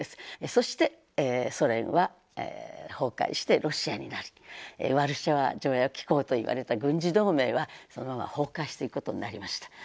そしてソ連は崩壊してロシアになりワルシャワ条約機構といわれた軍事同盟はそのまま崩壊していくことになりました。